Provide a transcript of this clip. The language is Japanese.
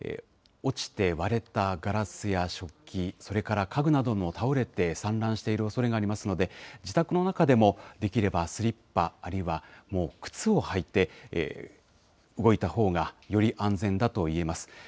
落ちて割れたガラスや食器、それから家具なども倒れて散乱しているおそれがありますので、自宅の中でも、できればスリッパ、あるいはもう靴を履いて動いたほうが、より安全だと言えます。